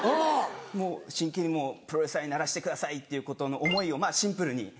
真剣にプロレスラーにならせてくださいっていうことの思いをシンプルに。